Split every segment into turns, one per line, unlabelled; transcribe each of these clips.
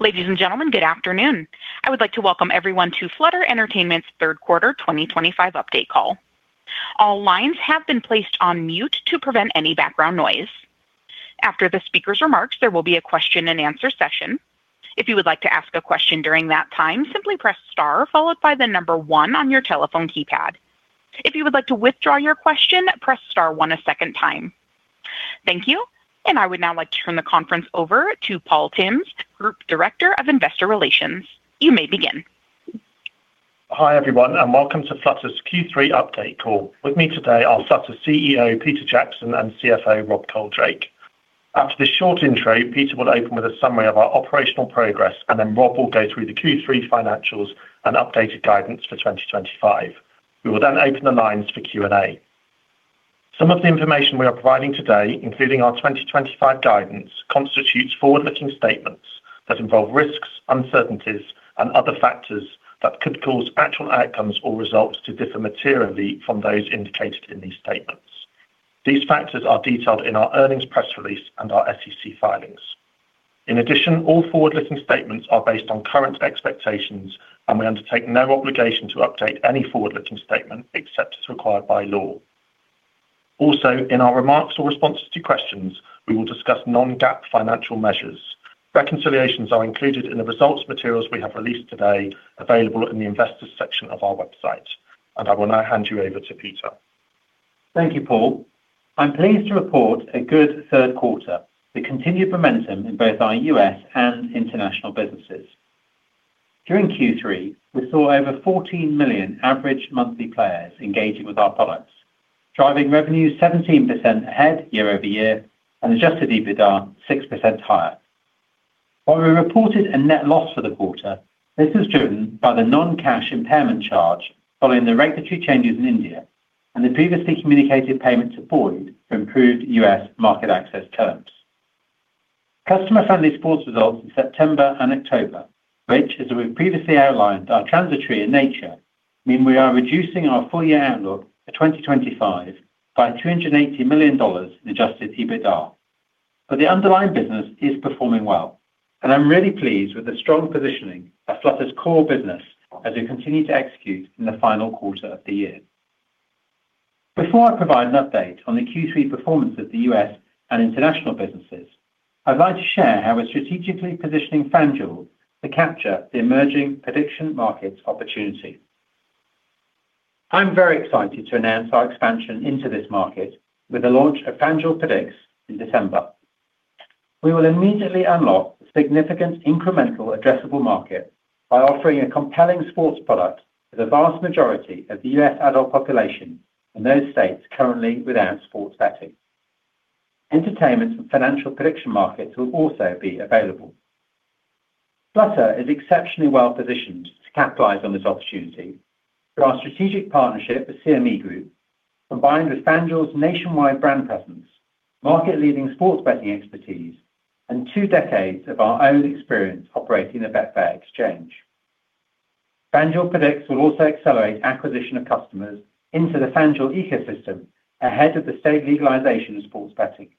Ladies and gentlemen, good afternoon. I would like to welcome everyone to Flutter Entertainment's third quarter 2025 update call. All lines have been placed on mute to prevent any background noise. After the speaker's remarks, there will be a question-and-answer session. If you would like to ask a question during that time, simply press star followed by the number one on your telephone keypad. If you would like to withdraw your question, press star one a second time. Thank you. I would now like to turn the conference over to Paul Tymms, Group Director of Investor Relations. You may begin.
Hi everyone, and welcome to Flutter's Q3 update call. With me today are Flutter's CEO, Peter Jackson, and CFO, Rob Coldrake. After this short intro, Peter will open with a summary of our operational progress, and then Rob will go through the Q3 financials and updated guidance for 2025. We will then open the lines for Q&A. Some of the information we are providing today, including our 2025 guidance, constitutes forward-looking statements that involve risks, uncertainties, and other factors that could cause actual outcomes or results to differ materially from those indicated in these statements. These factors are detailed in our earnings press release and our SEC filings. In addition, all forward-looking statements are based on current expectations, and we undertake no obligation to update any forward-looking statement except as required by law. Also, in our remarks or responses to questions, we will discuss non-GAAP financial measures. Reconciliations are included in the results materials we have released today, available in the Investors section of our website. I will now hand you over to Peter.
Thank you, Paul. I'm pleased to report a good third quarter, with continued momentum in both our U.S. and international businesses. During Q3, we saw over 14 million average monthly players engaging with our products, driving revenues 17% ahead year over year and Adjusted EBITDA 6% higher. While we reported a net loss for the quarter, this was driven by the non-cash impairment charge following the regulatory changes in India and the previously communicated payment to Boyd for improved US market access terms. Customer-friendly sports results in September and October, which, as we've previously outlined, are transitory in nature, mean we are reducing our full-year outlook for 2025 by $280 million Adjusted EBITDA. The underlying business is performing well, and I'm really pleased with the strong positioning of Flutter's core business as we continue to execute in the final quarter of the year. Before I provide an update on the Q3 performance of the US and international businesses, I'd like to share how we're strategically positioning FanDuel to capture the emerging prediction markets opportunity. I'm very excited to announce our expansion into this market with the launch of FanDuel Predicts in December. We will immediately unlock a significant incremental addressable market by offering a compelling sports product to the vast majority of the US adult population in those states currently without sports betting. Entertainment and financial prediction markets will also be available. Flutter is exceptionally well positioned to capitalize on this opportunity through our strategic partnership with CME Group, combined with FanDuel's nationwide brand presence, market-leading sports betting expertise, and two decades of our own experience operating the Betfair Exchange. FanDuel Predicts will also accelerate acquisition of customers into the FanDuel ecosystem ahead of the state legalization of sports betting.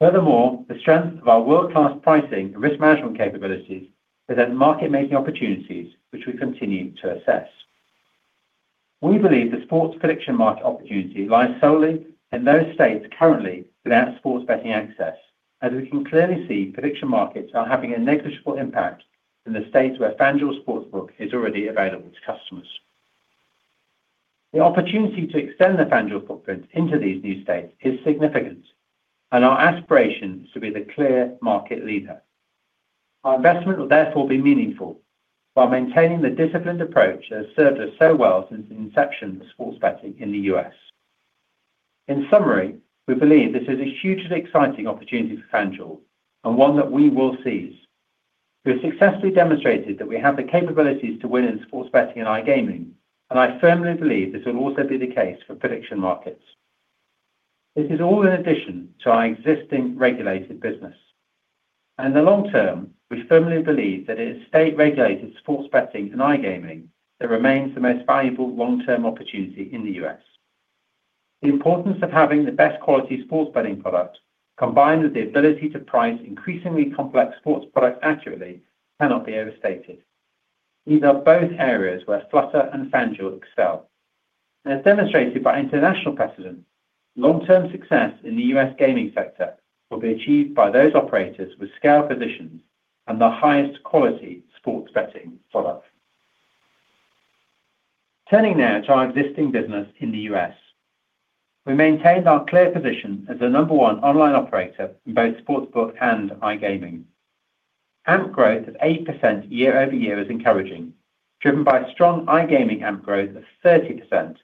Furthermore, the strength of our world-class pricing and risk management capabilities present market-making opportunities, which we continue to assess. We believe the sports prediction market opportunity lies solely in those states currently without sports betting access, as we can clearly see prediction markets are having a negligible impact in the states where FanDuel Sportsbook is already available to customers. The opportunity to extend the FanDuel footprint into these new states is significant, and our aspiration is to be the clear market leader. Our investment will therefore be meaningful while maintaining the disciplined approach that has served us so well since the inception of sports betting in the US. In summary, we believe this is a hugely exciting opportunity for FanDuel, and one that we will seize. We have successfully demonstrated that we have the capabilities to win in sports betting and iGaming, and I firmly believe this will also be the case for prediction markets. This is all in addition to our existing regulated business. In the long term, we firmly believe that it is state-regulated sports betting and iGaming that remains the most valuable long-term opportunity in the US. The importance of having the best quality sports betting product, combined with the ability to price increasingly complex sports products accurately, cannot be overstated. These are both areas where Flutter and FanDuel excel. As demonstrated by international precedent, long-term success in the U.S. gaming sector will be achieved by those operators with scale positions and the highest quality sports betting product. Turning now to our existing business in the U.S., we maintained our clear position as the number one online operator in both sportsbook and iGaming. AMP growth of 8% year over year is encouraging, driven by a strong iGaming AMP growth of 30%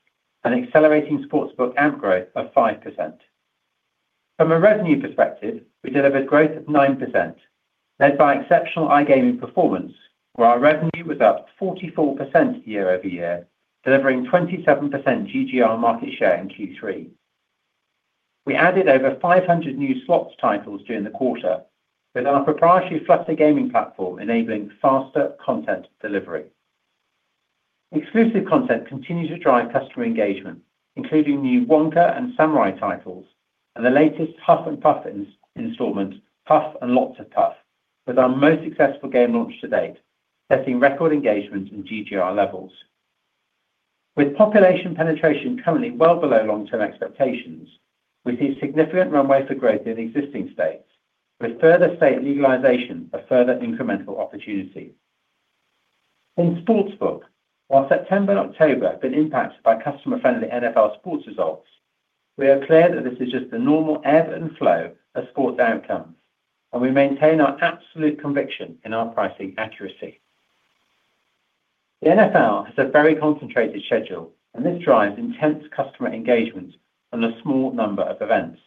and accelerating sportsbook AMP growth of 5%. From a revenue perspective, we delivered growth of 9%, led by exceptional iGaming performance, where our revenue was up 44% year over year, delivering 27% GGR market share in Q3. We added over 500 new slots titles during the quarter, with our proprietary Flutter gaming platform enabling faster content delivery. Exclusive content continues to drive customer engagement, including new Wonka and Samurai titles and the latest Huff and Puff installment, Puff and Lots of Puff, with our most successful game launch to date, setting record engagement and GGR levels. With population penetration currently well below long-term expectations, we see significant runway for growth in existing states, with further state legalization a further incremental opportunity. In sportsbook, while September and October have been impacted by customer-friendly NFL sports results, we are clear that this is just the normal ebb and flow of sports outcomes, and we maintain our absolute conviction in our pricing accuracy. The NFL has a very concentrated schedule, and this drives intense customer engagement on a small number of events.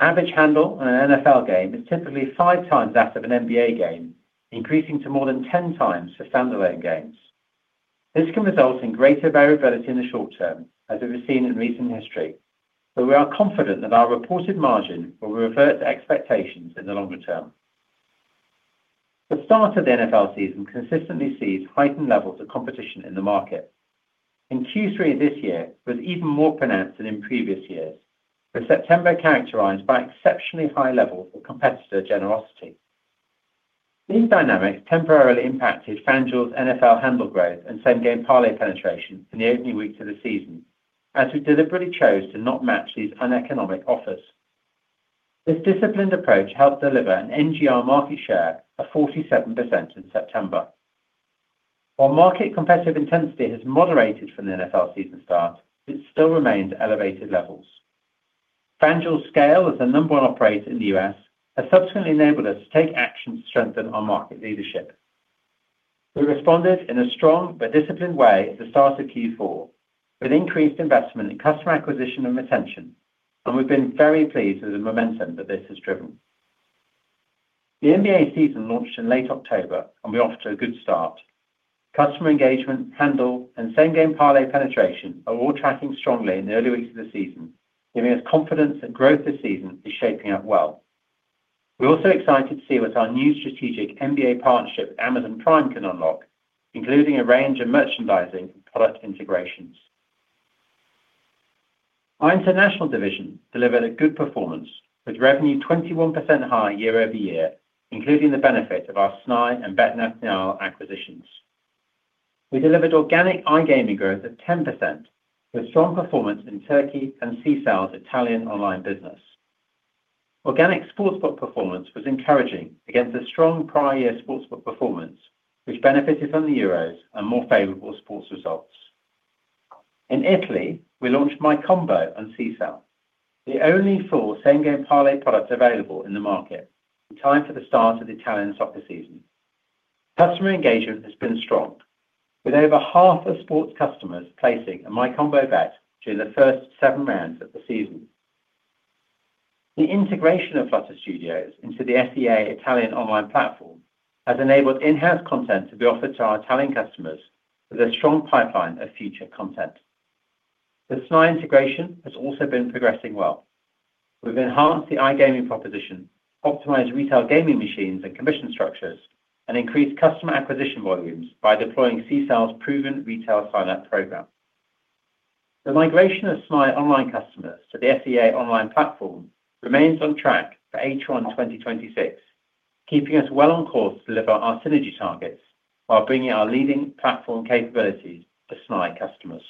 Average handle on an NFL game is typically five times that of an NBA game, increasing to more than 10 times for standalone games. This can result in greater variability in the short term, as we've seen in recent history, but we are confident that our reported margin will revert to expectations in the longer term. The start of the NFL season consistently sees heightened levels of competition in the market. In Q3 of this year, it was even more pronounced than in previous years, with September characterized by exceptionally high levels of competitor generosity. These dynamics temporarily impacted FanDuel's NFL handle growth and same-game parlay penetration in the opening weeks of the season, as we deliberately chose to not match these uneconomic offers. This disciplined approach helped deliver an NGR market share of 47% in September. While market competitive intensity has moderated from the NFL season start, it still remains at elevated levels. FanDuel's scale as the number one operator in the U.S. has subsequently enabled us to take action to strengthen our market leadership. We responded in a strong but disciplined way at the start of Q4, with increased investment in customer acquisition and retention, and we've been very pleased with the momentum that this has driven. The NBA season launched in late October, and we offered a good start. Customer engagement, handle, and same-game parlay penetration are all tracking strongly in the early weeks of the season, giving us confidence that growth this season is shaping up well. We're also excited to see what our new strategic NBA partnership with Amazon Prime can unlock, including a range of merchandising and product integrations. Our international division delivered a good performance, with revenue 21% higher year over year, including the benefit of our SNI and BetNational acquisitions. We delivered organic iGaming growth of 10%, with strong performance in Turkey and CSAL's Italian online business. Organic sportsbook performance was encouraging against the strong prior year sportsbook performance, which benefited from the Euros and more favorable sports results. In Italy, we launched My Combo on CSAL, the only full same-game parlay product available in the market, in time for the start of the Italian soccer season. Customer engagement has been strong, with over half of sports customers placing a My Combo bet during the first seven rounds of the season. The integration of Flutter Studios into the FEA Italian online platform has enabled in-house content to be offered to our Italian customers with a strong pipeline of future content. The SNI integration has also been progressing well. We have enhanced the iGaming proposition, optimized retail gaming machines and commission structures, and increased customer acquisition volumes by deploying CSAL's proven retail sign-up program. The migration of SNI online customers to the FEA online platform remains on track for H1 2026, keeping us well on course to deliver our synergy targets while bringing our leading platform capabilities to SNI customers.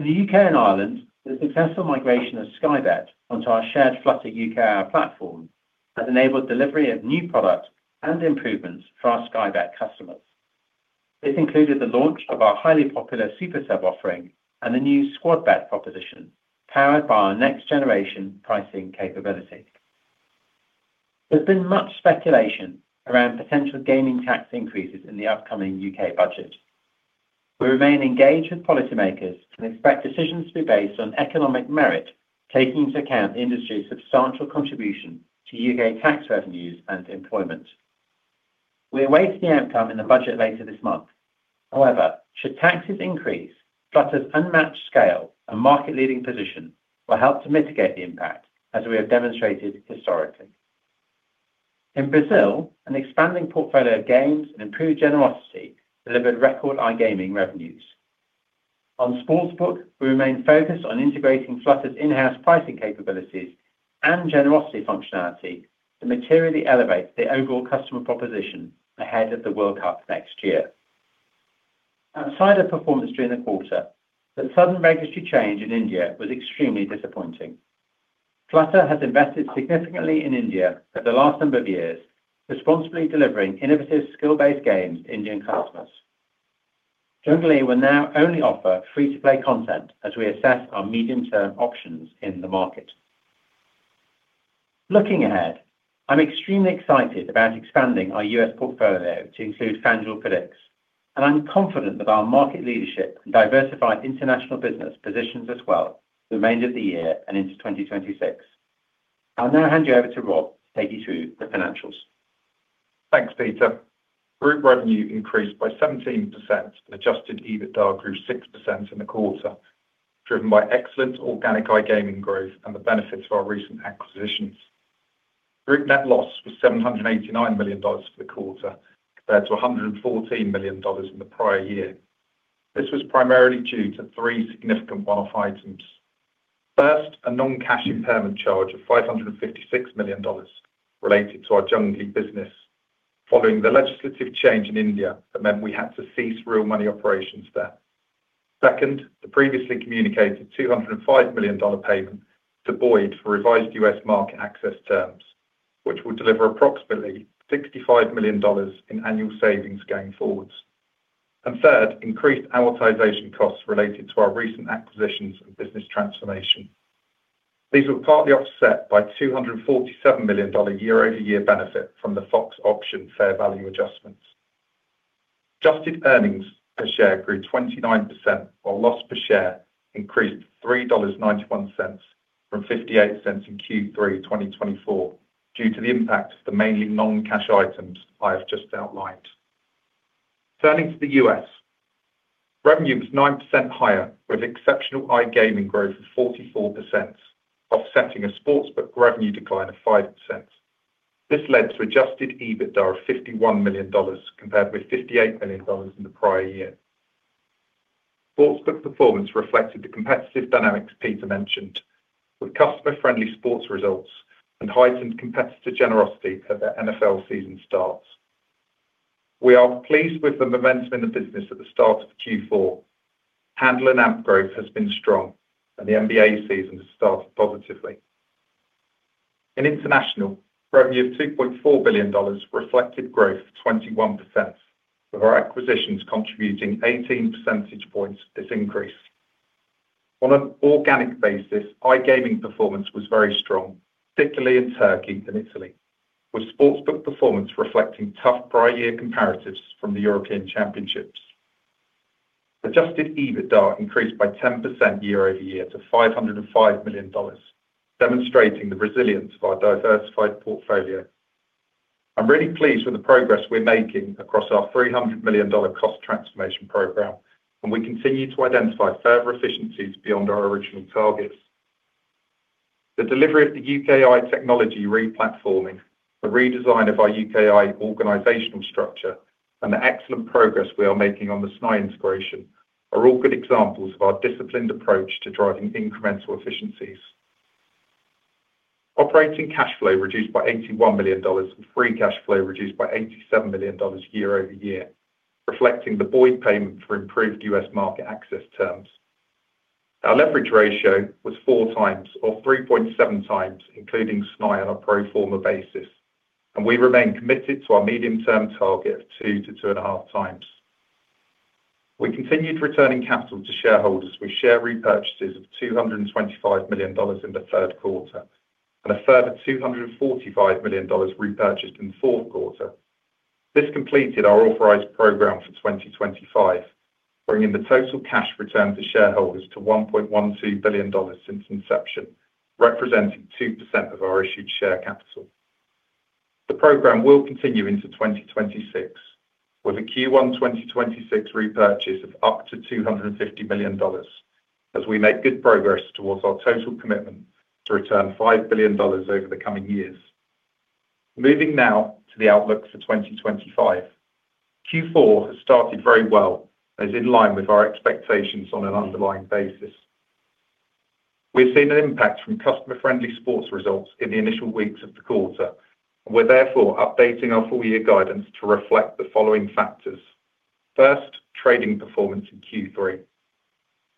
In the U.K. and Ireland, the successful migration of Sky Bet onto our shared Flutter UKR platform has enabled delivery of new product and improvements for our Sky Bet customers. This included the launch of our highly popular SuperSub offering and the new SquadBet proposition, powered by our next-generation pricing capability. There has been much speculation around potential gaming tax increases in the upcoming U.K. budget. We remain engaged with policymakers and expect decisions to be based on economic merit, taking into account the industry's substantial contribution to U.K. tax revenues and employment. We await the outcome in the budget later this month. However, should taxes increase, Flutter's unmatched scale and market-leading position will help to mitigate the impact, as we have demonstrated historically. In Brazil, an expanding portfolio of games and improved generosity delivered record iGaming revenues. On sportsbook, we remain focused on integrating Flutter's in-house pricing capabilities and generosity functionality to materially elevate the overall customer proposition ahead of the World Cup next year. Outside of performance during the quarter, the sudden regulatory change in India was extremely disappointing. Flutter has invested significantly in India over the last number of years, responsibly delivering innovative skill-based games to Indian customers. JungleE will now only offer free-to-play content as we assess our medium-term options in the market. Looking ahead, I'm extremely excited about expanding our US portfolio to include FanDuel Predicts, and I'm confident that our market leadership and diversified international business positions us well through the remainder of the year and into 2026. I'll now hand you over to Rob to take you through the financials.
Thanks, Peter. Group revenue increased by 17%, and Adjusted EBITDA grew 6% in the quarter, driven by excellent organic iGaming growth and the benefits of our recent acquisitions. Group net loss was $789 million for the quarter, compared to $114 million in the prior year. This was primarily due to three significant one-off items. First, a non-cash impairment charge of $556 million related to our JungleE business, following the legislative change in India that meant we had to cease real money operations there. Second, the previously communicated $205 million payment to Boyd for revised US market access terms, which will deliver approximately $65 million in annual savings going forwards. Third, increased amortization costs related to our recent acquisitions and business transformation. These were partly offset by a $247 million year-over-year benefit from the FOX option fair value adjustments. Adjusted earnings per share grew 29%, while loss per share increased to $3.91 from $0.58 in Q3 2024, due to the impact of the mainly non-cash items I have just outlined. Turning to the US, revenue was 9% higher, with exceptional iGaming growth of 44%, offsetting a sportsbook revenue decline of 5%. This led to Adjusted EBITDA of $51 million, compared with $58 million in the prior year. Sportsbook performance reflected the competitive dynamics Peter mentioned, with customer-friendly sports results and heightened competitor generosity at the NFL season starts. We are pleased with the momentum in the business at the start of Q4. Handle and AMP growth has been strong, and the NBA season has started positively. In international, revenue of $2.4 billion reflected growth of 21%, with our acquisitions contributing 18 percentage points to this increase. On an organic basis, iGaming performance was very strong, particularly in Turkey and Italy, with sportsbook performance reflecting tough prior year comparatives from the European Championships. Adjusted EBITDA increased by 10% year-over-year to $505 million, demonstrating the resilience of our diversified portfolio. I'm really pleased with the progress we're making across our $300 million cost transformation program, and we continue to identify further efficiencies beyond our original targets. The delivery of the UKI technology replatforming, the redesign of our UKI organizational structure, and the excellent progress we are making on the SNI integration are all good examples of our disciplined approach to driving incremental efficiencies. Operating cash flow reduced by $81 million, with free cash flow reduced by $87 million year-over-year, reflecting the Boyd payment for improved US market access terms. Our leverage ratio was 4 times, or 3.7 times, including SNI on a pro forma basis, and we remain committed to our medium-term target of 2-2.5 times. We continued returning capital to shareholders with share repurchases of $225 million in the third quarter and a further $245 million repurchased in the fourth quarter. This completed our authorized program for 2025, bringing the total cash return to shareholders to $1.12 billion since inception, representing 2% of our issued share capital. The program will continue into 2026, with a Q1 2026 repurchase of up to $250 million, as we make good progress towards our total commitment to return $5 billion over the coming years. Moving now to the outlook for 2025, Q4 has started very well and is in line with our expectations on an underlying basis. We've seen an impact from customer-friendly sports results in the initial weeks of the quarter, and we're therefore updating our full-year guidance to reflect the following factors. First, trading performance in Q3.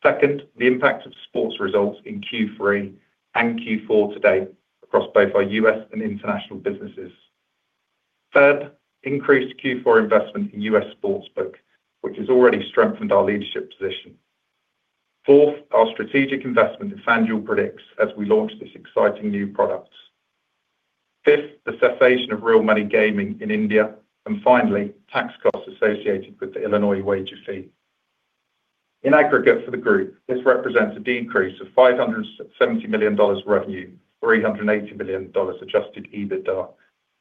Second, the impact of sports results in Q3 and Q4 today across both our U.S. and international businesses. Third, increased Q4 investment in U.S. sportsbook, which has already strengthened our leadership position. Fourth, our strategic investment in FanDuel Predicts as we launch this exciting new product. Fifth, the cessation of real money gaming in India, and finally, tax costs associated with the Illinois wager fee. In aggregate for the group, this represents a decrease of $570 million revenue, $380 million Adjusted EBITDA,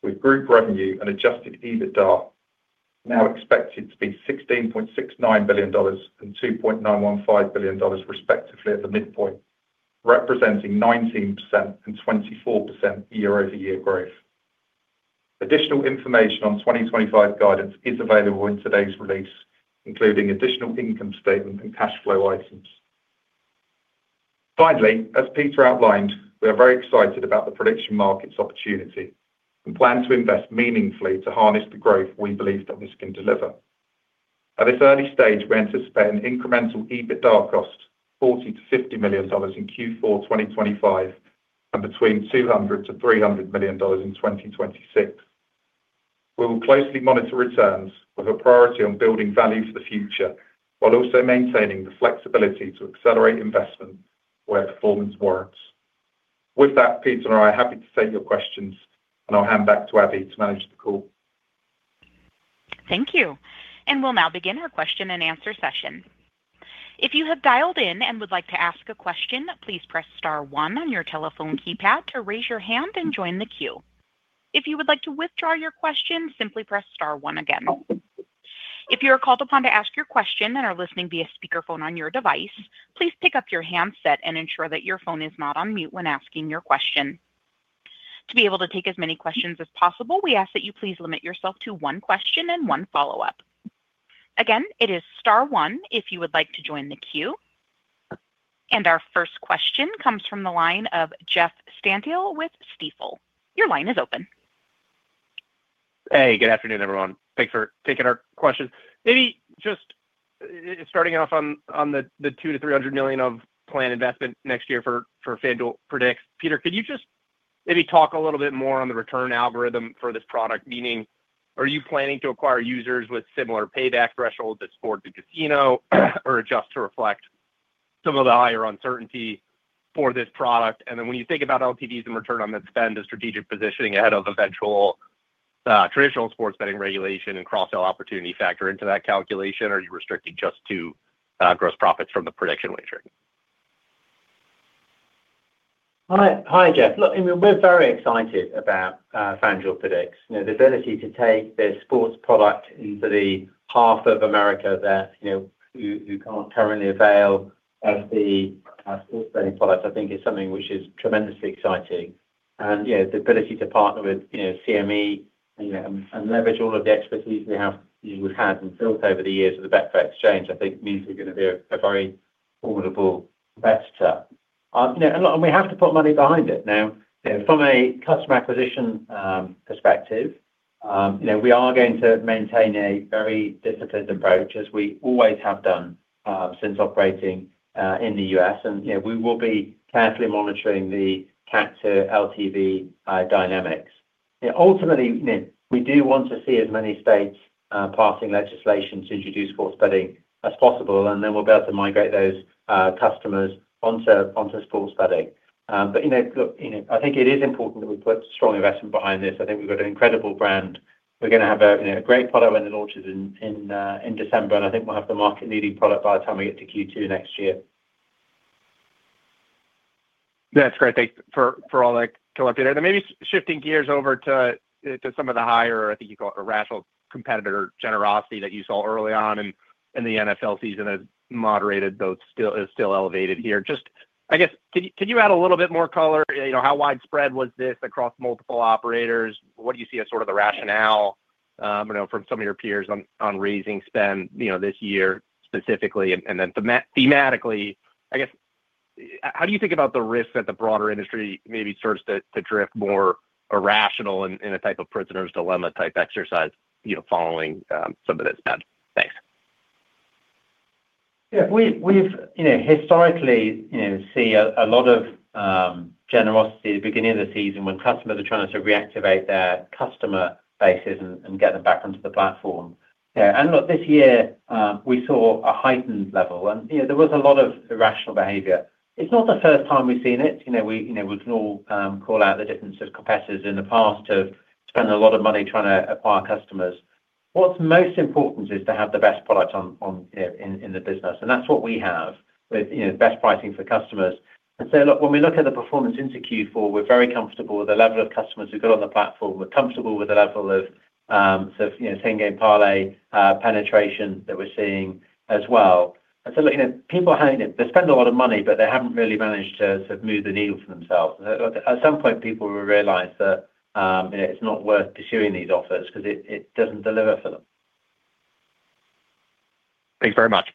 with group revenue and Adjusted EBITDA now expected to be $16.69 billion and $2.915 billion respectively at the midpoint, representing 19% and 24% year-over-year growth. Additional information on 2025 guidance is available in today's release, including additional income statement and cash flow items. Finally, as Peter outlined, we are very excited about the prediction market's opportunity and plan to invest meaningfully to harness the growth we believe that this can deliver. At this early stage, we anticipate an incremental EBITDA cost of $40-$50 million in Q4 2025 and between $200-$300 million in 2026. We will closely monitor returns, with a priority on building value for the future, while also maintaining the flexibility to accelerate investment where performance warrants. With that, Peter and I are happy to take your questions, and I'll hand back to Abby to manage the call.
Thank you. We will now begin our question and answer session. If you have dialed in and would like to ask a question, please press star one on your telephone keypad to raise your hand and join the queue. If you would like to withdraw your question, simply press star one again. If you are called upon to ask your question and are listening via speakerphone on your device, please pick up your handset and ensure that your phone is not on mute when asking your Aquestion.To be able to take as many questions as possible, we ask that you please limit yourself to one question and one follow-up. It is star one if you would like to join the queue. Our first question comes from the line of Jeffrey Stantial with Stifel. Your line is open.
Hey, good afternoon, everyone. Thanks for taking our question. Maybe just starting off on the $200-$300 million of planned investment next year for FanDuel Predicts. Peter, could you just maybe talk a little bit more on the return algorithm for this product? Meaning, are you planning to acquire users with similar payback thresholds at sports and casino, or adjust to reflect some of the higher uncertainty for this product? When you think about LTVs and return on that spend, the strategic positioning ahead of eventual traditional sports betting regulation and cross-sell opportunity factor into that calculation, or are you restricting just to gross profits from the prediction wagering?
Hi, Jeff. Look, I mean, we're very excited about FanDuel Predicts. The ability to take their sports product into the heart of America that you can't currently avail as the sports betting product, I think, is something which is tremendously exciting. The ability to partner with CME and leverage all of the expertise we have and built over the years with the Betfair Exchange, I think, means we're going to be a very formidable competitor. We have to put money behind it. Now, from a customer acquisition perspective, we are going to maintain a very disciplined approach, as we always have done since operating in the U.S. We will be carefully monitoring the CAC to LTV dynamics. Ultimately, we do want to see as many states passing legislation to introduce sports betting as possible, and then we'll be able to migrate those customers onto sports betting. I think it is important that we put strong investment behind this. I think we've got an incredible brand. We're going to have a great product when it launches in December, and I think we'll have the market-leading product by the time we get to Q2 next year.
That's great. Thanks for all that, Peter. Maybe shifting gears over to some of the higher, I think you call it, rational competitor generosity that you saw early on in the NFL season has moderated, though still elevated here. Could you add a little bit more color? How widespread was this across multiple operators? What do you see as sort of the rationale from some of your peers on raising spend this year specifically? And then thematically, I guess, how do you think about the risk that the broader industry maybe starts to drift more irrational in a type of prisoner's dilemma type exercise following some of this spend? Thanks.
Yeah, we've historically seen a lot of generosity at the beginning of the season when customers are trying to sort of reactivate their customer bases and get them back onto the platform. Look, this year, we saw a heightened level, and there was a lot of irrational behavior. It's not the first time we've seen it. We can all call out the difference of competitors in the past who have spent a lot of money trying to acquire customers. What's most important is to have the best product in the business, and that's what we have, with best pricing for customers. Look, when we look at the performance into Q4, we're very comfortable with the level of customers we've got on the platform. We're comfortable with the level of sort of same-game parlay penetration that we're seeing as well. People are having it. They spend a lot of money, but they haven't really managed to move the needle for themselves. At some point, people will realize that it's not worth pursuing these offers because it doesn't deliver for them.
Thanks very much.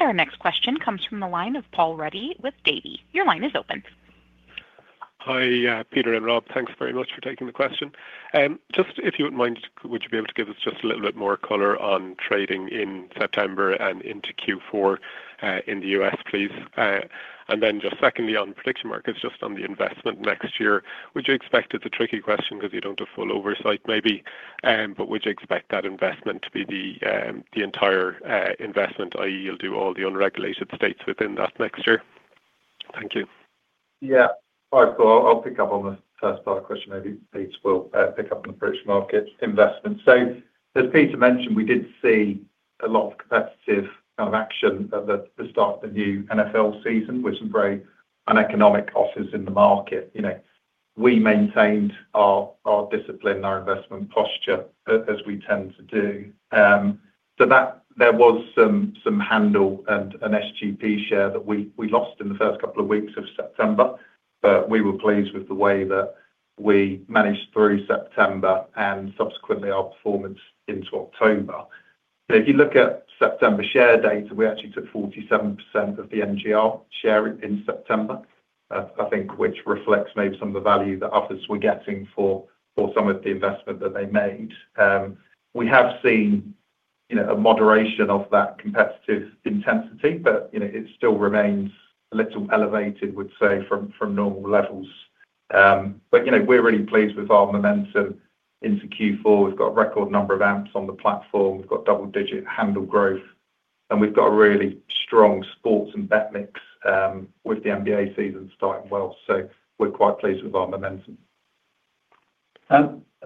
Our next question comes from the line of Paul Ruddy with Davy. Your line is open.
Hi, Peter and Rob. Thanks very much for taking the question. Just if you would not mind, would you be able to give us just a little bit more color on trading in September and into Q4 in the U.S., please? And then just secondly, on prediction markets, just on the investment next year, would you expect—it's a tricky question because you do not have full oversight, maybe—but would you expect that investment to be the entire investment, i.e., you will do all the unregulated states within that next year? Thank you.
Yeah. All right. So I will pick up on the first part of the question. Maybe Peter will pick up on the prediction market investment. As Peter mentioned, we did see a lot of competitive kind of action at the start of the new NFL season, which is very uneconomic offers in the market. We maintained our discipline, our investment posture, as we tend to do. There was some handle and an SGP share that we lost in the first couple of weeks of September, but we were pleased with the way that we managed through September and subsequently our performance into October. If you look at September share data, we actually took 47% of the NGR share in September, I think, which reflects maybe some of the value that offers were getting for some of the investment that they made. We have seen a moderation of that competitive intensity, but it still remains a little elevated, we'd say, from normal levels. We are really pleased with our momentum into Q4. We have got a record number of AMPs on the platform. We have got double-digit handle growth, and we have got a really strong sports and bet mix with the NBA season starting well. We are quite pleased with our momentum.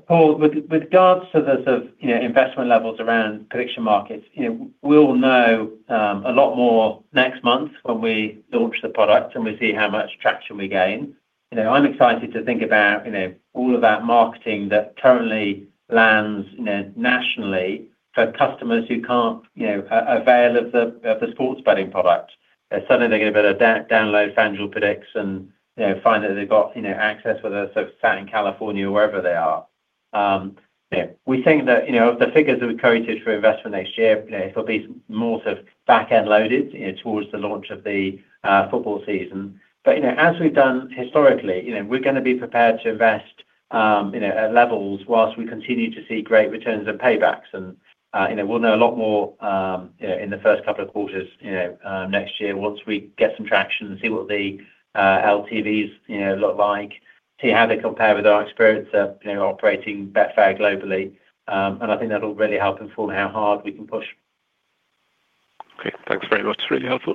Paul, with regards to the sort of investment levels around prediction markets, we'll know a lot more next month when we launch the product and we see how much traction we gain. I'm excited to think about all of that marketing that currently lands nationally for customers who can't avail of the sports betting product. Suddenly, they're going to be able to download FanDuel Predicts and find that they've got access, whether they're sort of sat in California or wherever they are. We think that the figures that we've quoted for investment next year, it'll be more sort of back-end loaded towards the launch of the football season. As we've done historically, we're going to be prepared to invest at levels whilst we continue to see great returns and paybacks. We will know a lot more in the first couple of quarters next year once we get some traction and see what the LTVs look like, see how they compare with our experience of operating Betfair globally. I think that will really help inform how hard we can push.
Okay. Thanks very much. Really helpful.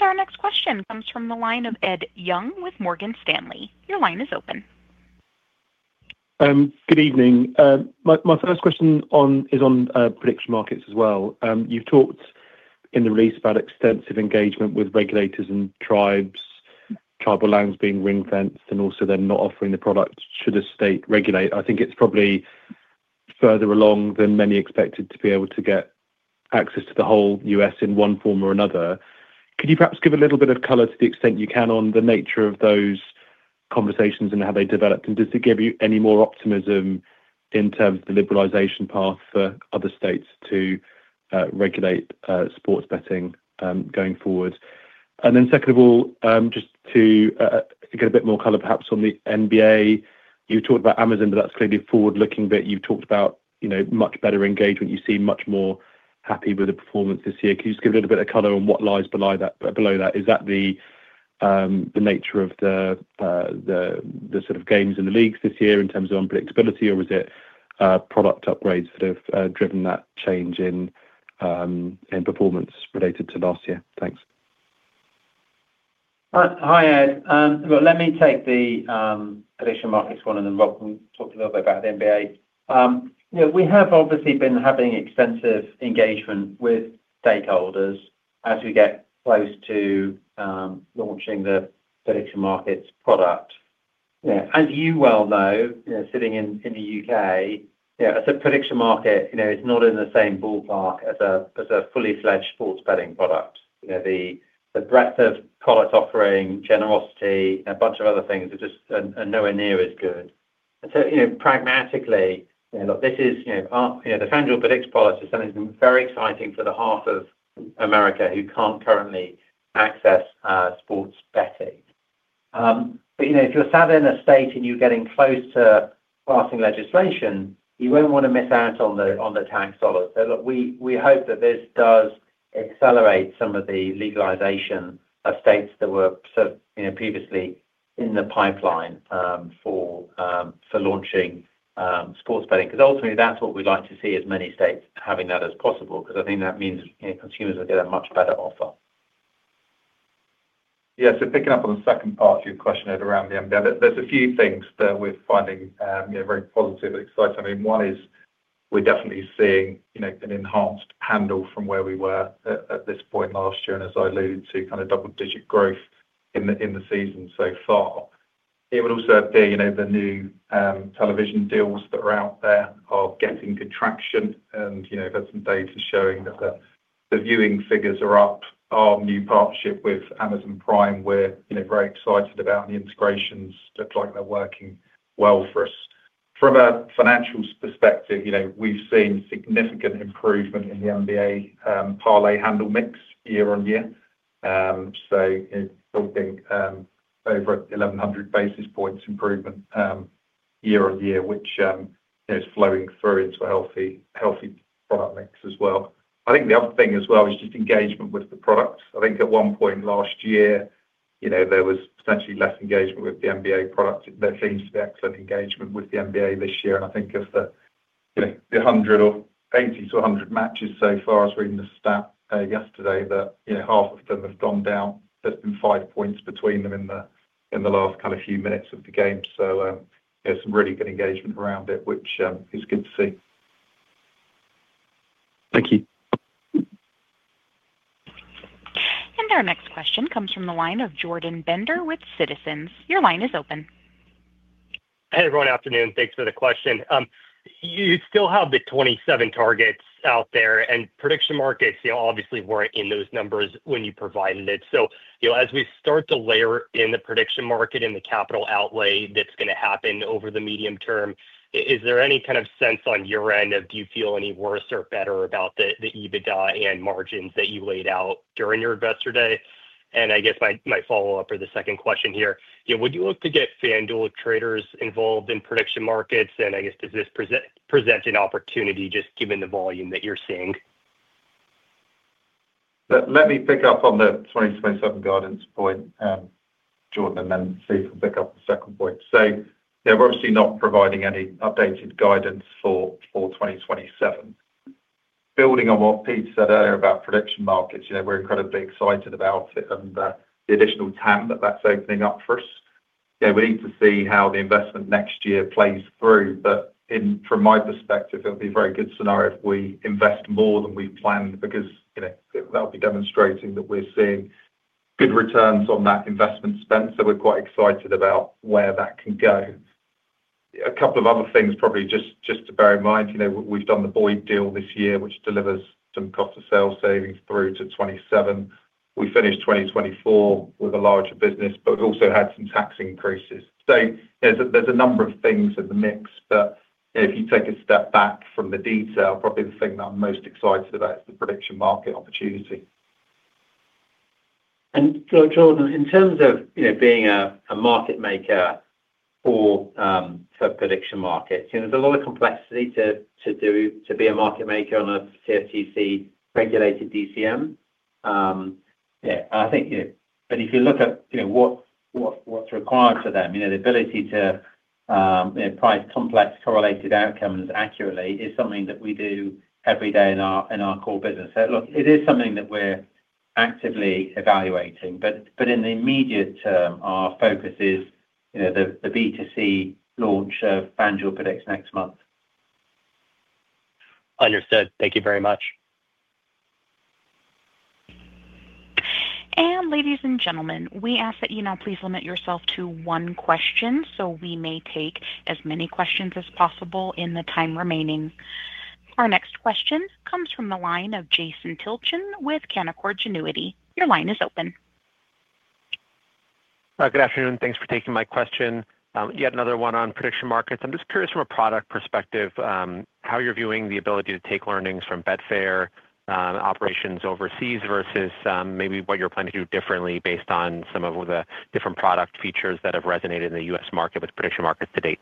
Our next question comes from the line of Ed Young with Morgan Stanley. Your line is open.
Good evening. My first question is on prediction markets as well. You have talked in the release about extensive engagement with regulators and tribes, tribal lands being ring-fenced, and also them not offering the product should a state regulate. I think it is probably further along than many expected to be able to get access to the whole U.S. in one form or another. Could you perhaps give a little bit of color to the extent you can on the nature of those conversations and how they developed? Does it give you any more optimism in terms of the liberalization path for other states to regulate sports betting going forward? Second of all, just to get a bit more color perhaps on the NBA, you talked about Amazon, but that's clearly a forward-looking bit. You've talked about much better engagement. You seem much more happy with the performance this year. Could you just give a little bit of color on what lies below that? Is that the nature of the sort of games in the leagues this year in terms of unpredictability, or was it product upgrades that have driven that change in performance related to last year? Thanks.
Hi, Ed. Look, let me take the prediction markets one and then Rob can talk a little bit about the NBA. We have obviously been having extensive engagement with stakeholders as we get close to launching the prediction markets product. As you well know, sitting in the U.K., a prediction market is not in the same ballpark as a fully-fledged sports betting product. The breadth of product offering, generosity, a bunch of other things are just nowhere near as good. Pragmatically, look, this FanDuel Predicts policy is something that's been very exciting for the heart of America who can't currently access sports betting. If you're sat in a state and you're getting close to passing legislation, you won't want to miss out on the tax dollars. Look, we hope that this does accelerate some of the legalization of states that were sort of previously in the pipeline for launching sports betting. Because ultimately, that's what we'd like to see as many states having that as possible because I think that means consumers will get a much better offer.
Yeah. Picking up on the second part of your question around the NBA, there's a few things that we're finding very positive and exciting. I mean, one is we're definitely seeing an enhanced handle from where we were at this point last year, and as I alluded to, kind of double-digit growth in the season so far. It would also be the new television deals that are out there are getting good traction, and we've had some data showing that the viewing figures are up. Our new partnership with Amazon Prime, we're very excited about, and the integrations look like they're working well for us. From a financial perspective, we've seen significant improvement in the NBA parlay handle mix year on year. So we're talking over 1,100 basis points improvement year on year, which is flowing through into a healthy product mix as well. I think the other thing as well is just engagement with the products. I think at one point last year, there was potentially less engagement with the NBA product. There seems to be excellent engagement with the NBA this year. I think of the 80-100 matches so far, as we were in the stat yesterday, that half of them have gone down. There's been five points between them in the last kind of few minutes of the game. There is some really good engagement around it, which is good to see.
Thank you.
Our next question comes from the line of Jordan Bender with Citizens. Your line is open.
Hey, everyone. Afternoon. Thanks for the question. You still have the 27 targets out there, and prediction markets obviously were not in those numbers when you provided it. As we start to layer in the prediction market and the capital outlay that is going to happen over the medium term, is there any kind of sense on your end of do you feel any worse or better about the EBITDA and margins that you laid out during your investor day? I guess my follow-up or the second question here, would you look to get FanDuel traders involved in prediction markets? Does this present an opportunity just given the volume that you are seeing?
Let me pick up on the 2027 guidance point, Jordan, and then see if we'll pick up the second point. We're obviously not providing any updated guidance for 2027. Building on what Pete said earlier about prediction markets, we're incredibly excited about it and the additional TAM that that's opening up for us. We need to see how the investment next year plays through. From my perspective, it'll be a very good scenario if we invest more than we've planned because that'll be demonstrating that we're seeing good returns on that investment spend. We're quite excited about where that can go. A couple of other things, probably just to bear in mind, we've done the Boyd deal this year, which delivers some cost-of-sale savings through to 2027. We finished 2024 with a larger business, but we've also had some tax increases. There's a number of things in the mix, but if you take a step back from the detail, probably the thing that I'm most excited about is the prediction market opportunity. Jordan, in terms of being a market maker for prediction markets, there's a lot of complexity to do to be a market maker on a TFTC-regulated DCM.
Yeah. I think, if you look at what's required for them, the ability to price complex correlated outcomes accurately is something that we do every day in our core business. Look, it is something that we're actively evaluating. In the immediate term, our focus is the B2C launch of FanDuel Predicts next month.
Understood. Thank you very much.
Ladies and gentlemen, we ask that you now please limit yourself to one question so we may take as many questions as possible in the time remaining. Our next question comes from the line of Jason Tilchin with Canaccord Genuity. Your line is open.
Good afternoon. Thanks for taking my question. You had another one on prediction markets. I'm just curious from a product perspective how you're viewing the ability to take learnings from Betfair operations overseas versus maybe what you're planning to do differently based on some of the different product features that have resonated in the U.S. market with prediction markets to date.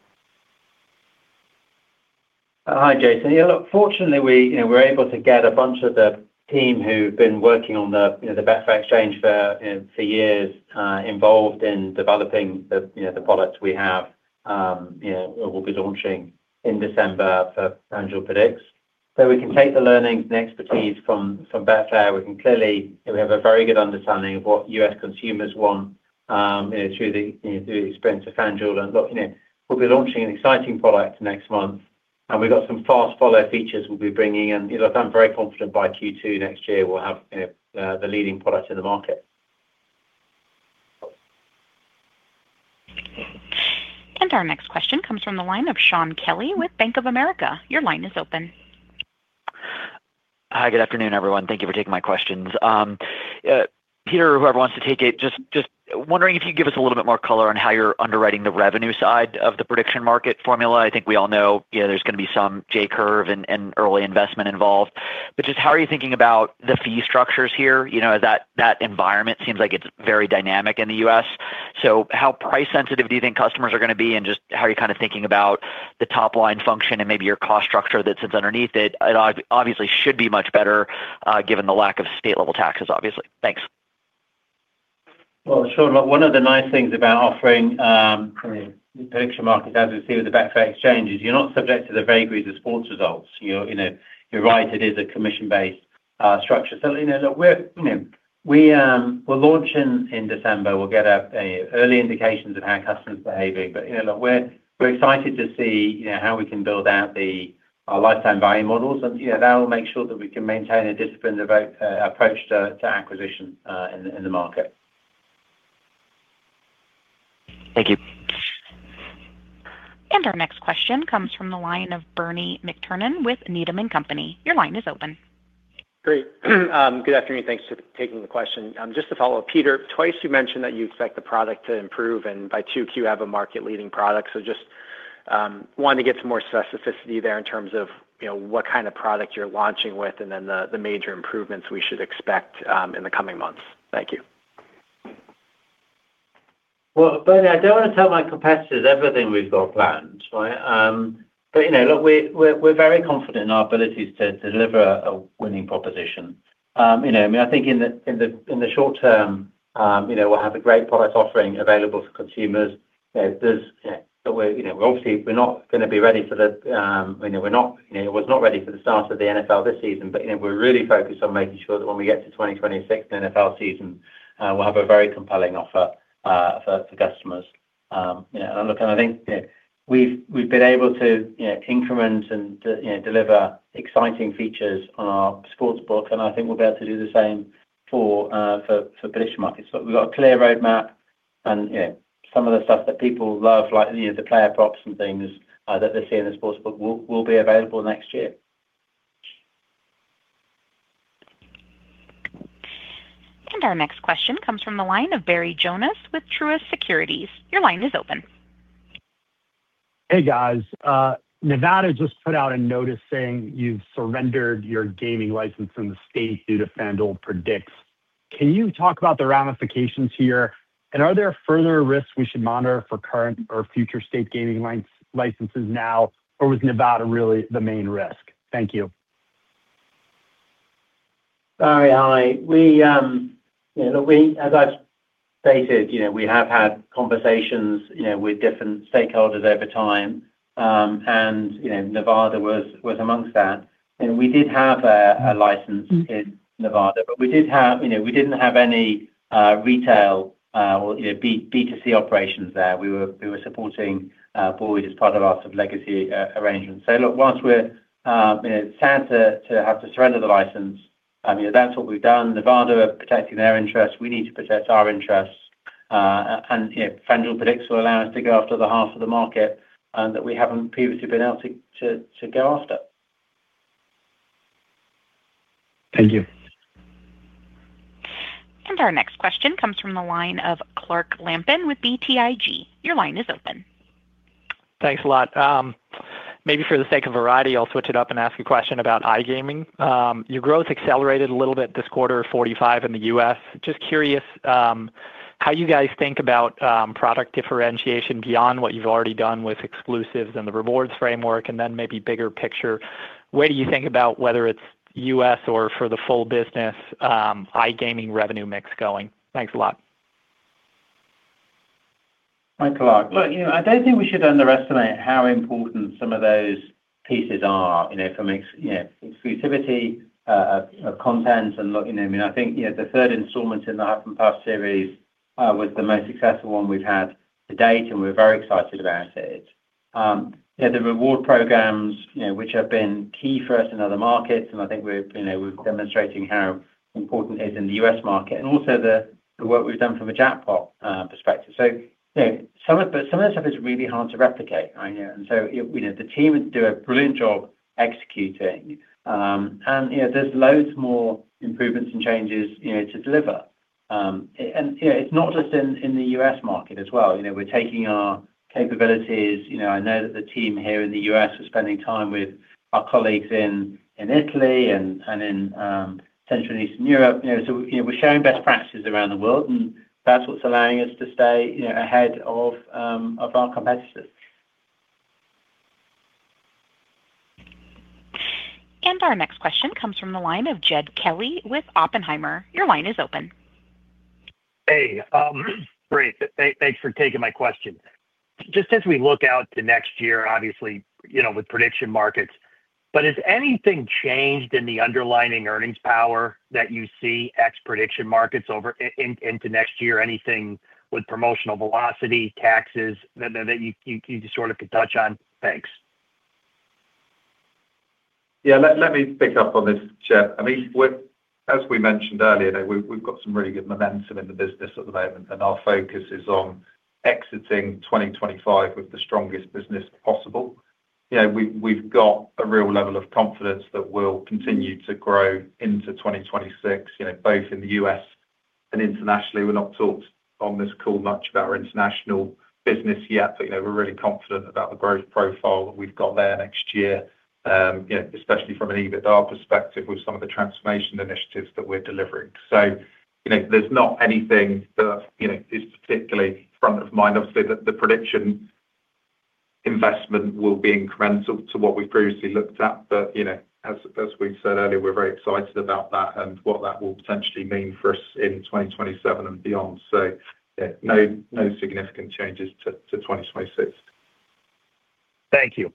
Hi, Jason. Yeah. Look, fortunately, we're able to get a bunch of the team who've been working on the Betfair Exchange for years involved in developing the products we have or will be launching in December for FanDuel Predicts. We can take the learnings and expertise from Betfair. We have a very good understanding of what US consumers want through the experience of FanDuel. Look, we'll be launching an exciting product next month, and we've got some fast-follow features we'll be bringing. I'm very confident by Q2 next year we'll have the leading product in the market.
Our next question comes from the line of Shaun Kelley with Bank of America. Your line is open.
Hi, good afternoon, everyone. Thank you for taking my questions. Peter or whoever wants to take it, just wondering if you could give us a little bit more color on how you're underwriting the revenue side of the prediction market formula. I think we all know there's going to be some J-curve and early investment involved. Just how are you thinking about the fee structures here? That environment seems like it's very dynamic in the US. So how price-sensitive do you think customers are going to be and just how are you kind of thinking about the top-line function and maybe your cost structure that sits underneath it? It obviously should be much better given the lack of state-level taxes, obviously. Thanks.
Shaun look, one of the nice things about offering prediction markets, as we see with the Betfair Exchange, is you're not subject to the vagaries of sports results. You're right, it is a commission-based structure. So look, we're launching in December. We'll get early indications of how customers are behaving. But look, we're excited to see how we can build out our lifetime value models. And that'll make sure that we can maintain a disciplined approach to acquisition in the market.
Thank you.
Our next question comes from the line of Bernie McTernan with Needham & Company. Your line is open.
Great. Good afternoon. Thanks for taking the question. Just to follow up, Peter, twice you mentioned that you expect the product to improve and by 2Q have a market-leading product. Just wanted to get some more specificity there in terms of what kind of product you are launching with and then the major improvements we should expect in the coming months. Thank you.
Bernie, I do not want to tell my competitors everything we have got planned, right? Look, we are very confident in our abilities to deliver a winning proposition. I mean, I think in the short term, we will have a great product offering available for consumers. Obviously, we're not going to be ready for the start of the NFL this season, but we're really focused on making sure that when we get to 2026, the NFL season, we'll have a very compelling offer for customers. I think we've been able to increment and deliver exciting features on our sports book, and I think we'll be able to do the same for prediction markets. We've got a clear roadmap, and some of the stuff that people love, like the player props and things that they see in the sports book, will be available next year.
Our next question comes from the line of Barry Jonas with Truist Securities. Your line is open.
Hey, guys. Nevada just put out a notice saying you've surrendered your gaming license in the state due to FanDuel Predicts. Can you talk about the ramifications here? And are there further risks we should monitor for current or future state gaming licenses now, or was Nevada really the main risk? Thank you.
Hi, as I've stated, we have had conversations with different stakeholders over time, and Nevada was amongst that. And we did have a license in Nevada, but we didn't have any retail or B2C operations there. We were supporting Boyd as part of our sort of legacy arrangement. So look, whilst we're sad to have to surrender the license, that's what we've done. Nevada are protecting their interests. We need to protect our interests. And FanDuel Predicts will allow us to go after the half of the market that we haven't previously been able to go after. Thank you. And our next question comes from the line of Clark Lampen with BTIG. Your line is open.
Thanks a lot. Maybe for the sake of variety, I'll switch it up and ask a question about iGaming. Your growth accelerated a little bit this quarter of 45% in the U.S. Just curious how you guys think about product differentiation beyond what you've already done with exclusives and the rewards framework, and then maybe bigger picture. Where do you think about whether it's US or for the full business iGaming revenue mix going? Thanks a lot.
Look, I don't think we should underestimate how important some of those pieces are for exclusivity of content. I mean, I think the third installment in the Huff and Puff series was the most successful one we've had to date, and we're very excited about it. The reward programs, which have been key for us in other markets, and I think we're demonstrating how important it is in the US market, and also the work we've done from a jackpot perspective. Some of this stuff is really hard to replicate, right? The team do a brilliant job executing. There's loads more improvements and changes to deliver. It's not just in the US market as well. We're taking our capabilities. I know that the team here in the US is spending time with our colleagues in Italy and in Central and Eastern Europe. We're sharing best practices around the world, and that's what's allowing us to stay ahead of our competitors.
Our next question comes from the line of Jed Kelly with Oppenheimer. Your line is open.
Hey. Great. Thanks for taking my question. Just as we look out to next year, obviously, with prediction markets, but has anything changed in the underlying earnings power that you see x prediction markets into next year? Anything with promotional velocity, taxes that you sort of could touch on? Thanks.
Yeah. Let me pick up on this, Jed. I mean, as we mentioned earlier, we've got some really good momentum in the business at the moment, and our focus is on exiting 2025 with the strongest business possible. We've got a real level of confidence that we'll continue to grow into 2026, both in the US and internationally. We're not taught on this call much about our international business yet, but we're really confident about the growth profile that we've got there next year, especially from an EBITDA perspective with some of the transformation initiatives that we're delivering. There is not anything that is particularly front of mind. Obviously, the prediction investment will be incremental to what we have previously looked at, but as we said earlier, we are very excited about that and what that will potentially mean for us in 2027 and beyond. No significant changes to 2026.
Thank you.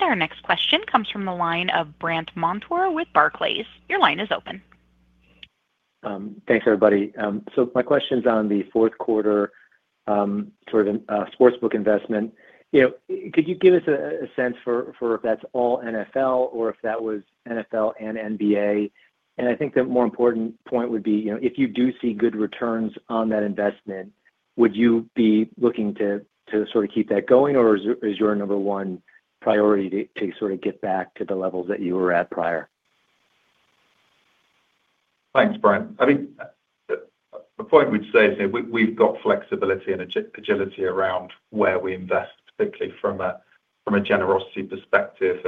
Our next question comes from the line of Brandt Montour with Barclays. Your line is open.
Thanks, everybody. My question is on the fourth quarter sort of sportsbook investment. Could you give us a sense for if that is all NFL or if that was NFL and NBA? I think the more important point would be if you do see good returns on that investment, would you be looking to keep that going, or is your number one priority to get back to the levels that you were at prior?
Thanks, Brandt. I mean, the point we'd say is we've got flexibility and agility around where we invest, particularly from a generosity perspective.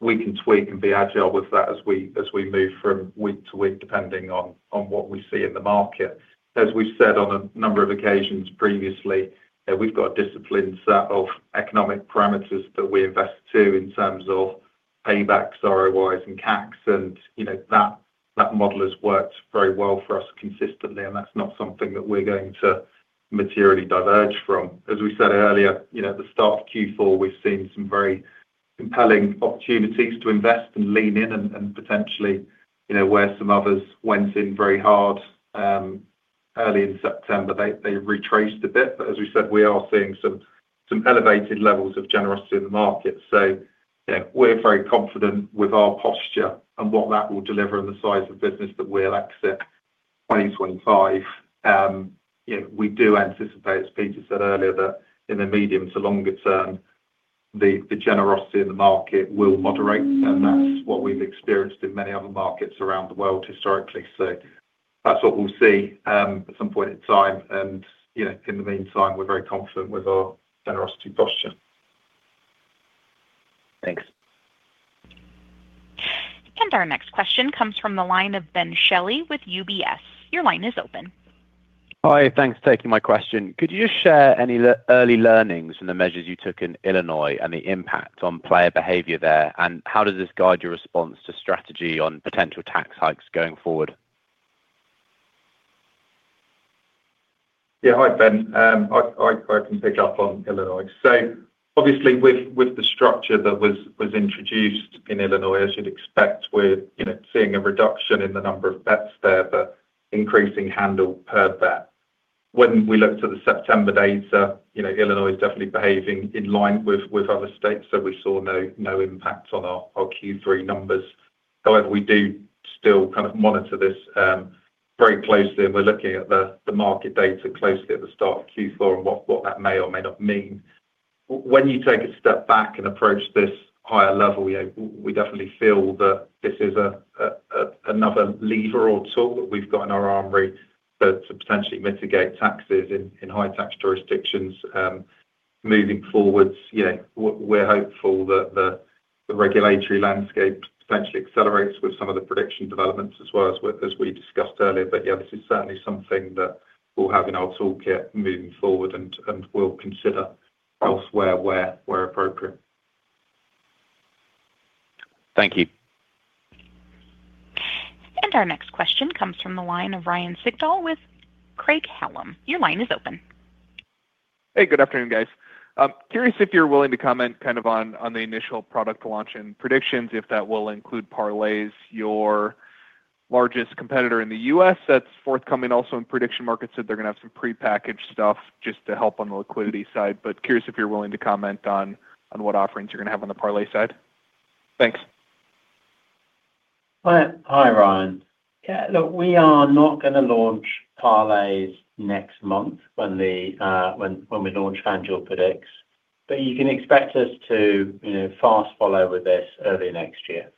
We can tweak and be agile with that as we move from week to week, depending on what we see in the market. As we've said on a number of occasions previously, we've got a disciplined set of economic parameters that we invest to in terms of paybacks, ROIs, and CACs. That model has worked very well for us consistently, and that's not something that we're going to materially diverge from. As we said earlier, at the start of Q4, we've seen some very compelling opportunities to invest and lean in and potentially where some others went in very hard early in September. They retraced a bit, but as we said, we are seeing some elevated levels of generosity in the market. We're very confident with our posture and what that will deliver and the size of business that we'll exit 2025. We do anticipate, as Peter said earlier, that in the medium to longer term, the generosity in the market will moderate, and that's what we've experienced in many other markets around the world historically. That's what we'll see at some point in time. In the meantime, we're very confident with our generosity posture.
Thanks.
Our next question comes from the line of Ben Shelley with UBS. Your line is open.
Hi. Thanks for taking my question. Could you share any early learnings from the measures you took in Illinois and the impact on player behavior there? How does this guide your response to strategy on potential tax hikes going forward?
Yeah. Hi, Ben. I can pick up on Illinois. Obviously, with the structure that was introduced in Illinois, as you'd expect, we're seeing a reduction in the number of bets there, but increasing handle per bet. When we looked at the September data, Illinois is definitely behaving in line with other states, so we saw no impact on our Q3 numbers. However, we do still kind of monitor this very closely, and we're looking at the market data closely at the start of Q4 and what that may or may not mean. When you take a step back and approach this higher level, we definitely feel that this is another lever or tool that we've got in our armory to potentially mitigate taxes in high-tax jurisdictions. Moving forward, we're hopeful that the regulatory landscape potentially accelerates with some of the prediction developments as well as we discussed earlier. Yeah, this is certainly something that we'll have in our toolkit moving forward and will consider elsewhere where appropriate.
Thank you.
Our next question comes from the line of Ryan Sigdahl with Craig-Hallum. Your line is open.
Hey, good afternoon, guys. Curious if you're willing to comment kind of on the initial product launch and predictions, if that will include Parlay, your largest competitor in the US that's forthcoming also in prediction markets, that they're going to have some prepackaged stuff just to help on the liquidity side. Curious if you're willing to comment on what offerings you're going to have on the Parlay side. Thanks.
Hi, Ryan. Yeah. Look, we are not going to launch Parlay next month when we launch FanDuel Predicts, but you can expect us to fast follow with this early next year.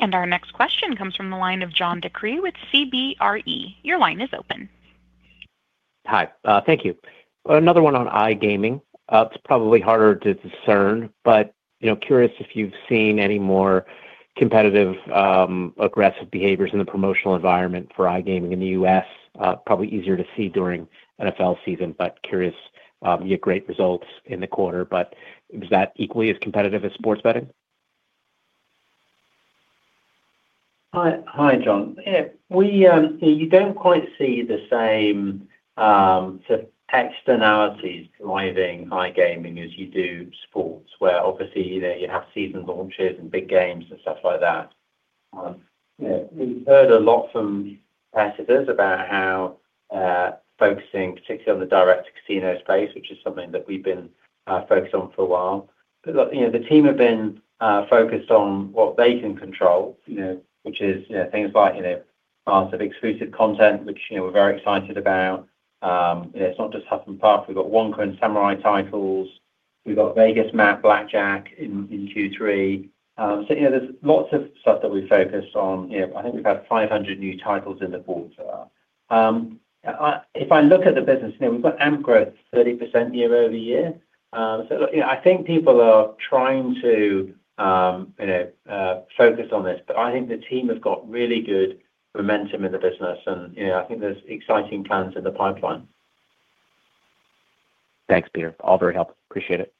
Our next question comes from the line of John DeCree with CBRE. Your line is open.
Hi. Thank you. Another one on iGaming. It's probably harder to discern, but curious if you've seen any more competitive, aggressive behaviors in the promotional environment for iGaming in the US. Probably easier to see during NFL season, but curious. You had great results in the quarter, but was that equally as competitive as sports betting?
Hi, John. You do not quite see the same sort of externalities driving iGaming as you do sports, where obviously you have season launches and big games and stuff like that. We've heard a lot from competitors about how focusing, particularly on the direct casino space, which is something that we've been focused on for a while. Look, the team have been focused on what they can control, which is things like massive exclusive content, which we're very excited about. It's not just Hacken Pass. We've got Wonka and Samurai titles. We've got Vegas map, Blackjack in Q3. There is lots of stuff that we've focused on. I think we've had 500 new titles in the quarter. If I look at the business, we've got AMP growth 30% year over year. I think people are trying to focus on this, but I think the team have got really good momentum in the business, and I think there's exciting plans in the pipeline.
Thanks, Peter. All very helpful. Appreciate it.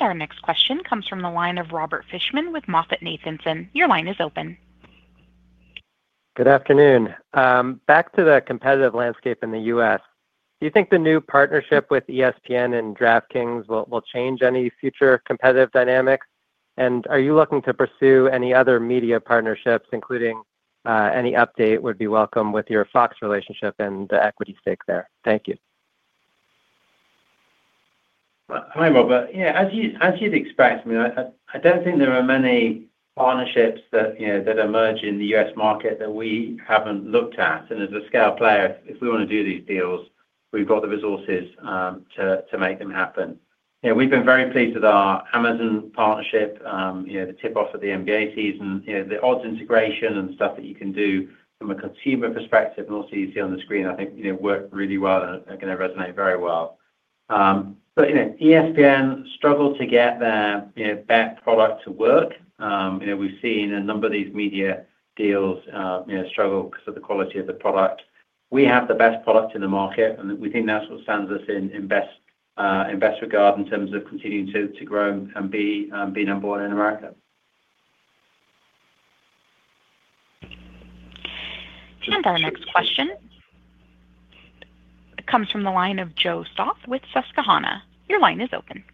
Our next question comes from the line of Robert Fishman with MoffettNathanson. Your line is open.
Good afternoon. Back to the competitive landscape in the U.S.Do you think the new partnership with ESPN and DraftKings will change any future competitive dynamics? Are you looking to pursue any other media partnerships, including any update would be welcome with your FOX relationship and the equity stake there? Thank you.
Hi, Robert. Yeah. As you'd expect, I mean, I don't think there are many partnerships that emerge in the U.S. market that we haven't looked at. As a scale player, if we want to do these deals, we've got the resources to make them happen. We've been very pleased with our Amazon partnership, the tip-off of the NBA season, the odds integration, and stuff that you can do from a consumer perspective, and also you see on the screen, I think worked really well and are going to resonate very well. ESPN struggled to get their bet product to work. We've seen a number of these media deals struggle because of the quality of the product. We have the best product in the market, and we think that's what stands us in best regard in terms of continuing to grow and be number one in America.
Our next question comes from the line of Joseph Stauff with Susquehanna. Your line is open.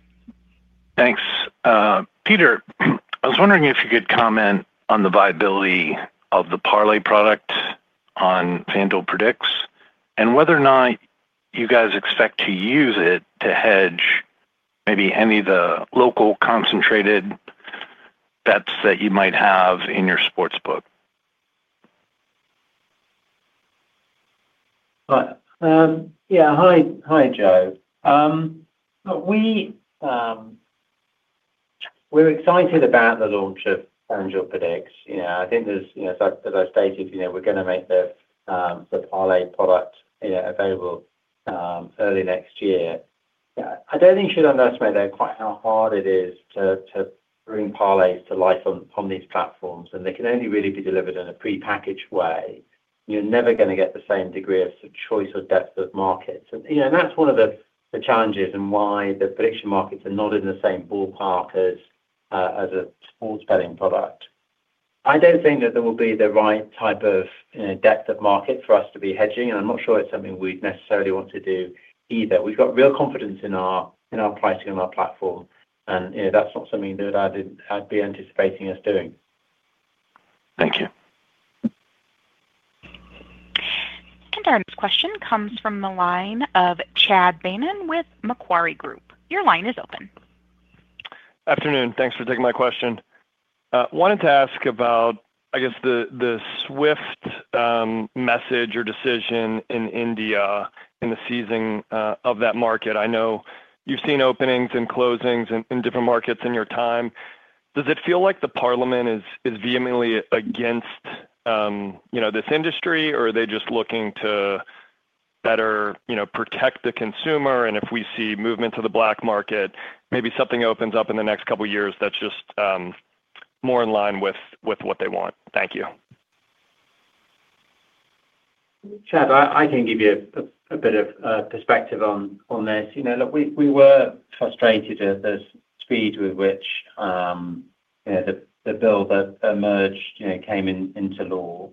Thanks. Peter, I was wondering if you could comment on the viability of the Parlay product on FanDuel Predicts and whether or not you guys expect to use it to hedge maybe any of the local concentrated bets that you might have in your sportsbook.
Yeah. Hi, Joseph. Look, we're excited about the launch of FanDuel Predicts. I think, as I stated, we're going to make the Parlay product available early next year. I do not think you should underestimate quite how hard it is to bring Parlays to life on these platforms, and they can only really be delivered in a prepackaged way. You are never going to get the same degree of choice or depth of market. That is one of the challenges and why the prediction markets are not in the same ballpark as a sports betting product. I do not think that there will be the right type of depth of market for us to be hedging, and I am not sure it is something we would necessarily want to do either. We have got real confidence in our pricing and our platform, and that is not something that I would be anticipating us doing.
Thank you.
Our next question comes from the line of Chad Beynon with Macquarie. Your line is open.
Afternoon. Thanks for taking my question. Wanted to ask about, I guess, the swift message or decision in India in the season of that market. I know you've seen openings and closings in different markets in your time. Does it feel like the parliament is vehemently against this industry, or are they just looking to better protect the consumer? If we see movement to the black market, maybe something opens up in the next couple of years that's just more in line with what they want. Thank you.
Chad, I can give you a bit of perspective on this. Look, we were frustrated at the speed with which the bill that emerged came into law.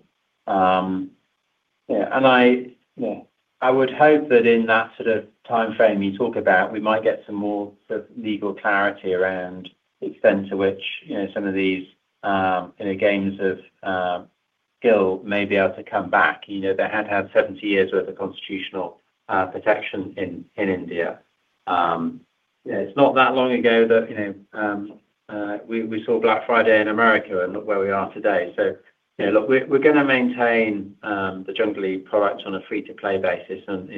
I would hope that in that sort of time frame you talk about, we might get some more sort of legal clarity around the extent to which some of these games of skill may be able to come back. They had had 70 years' worth of constitutional protection in India. It's not that long ago that we saw Black Friday in America and look where we are today. Look, we're going to maintain the JungleE product on a free-to-play basis, and